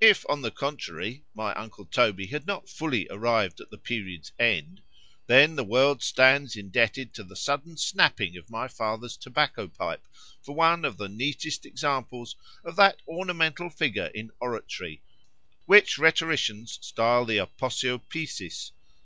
If, on the contrary, my uncle Toby had not fully arrived at the period's end—then the world stands indebted to the sudden snapping of my father's tobacco pipe for one of the neatest examples of that ornamental figure in oratory, which Rhetoricians stile the _Aposiopesis.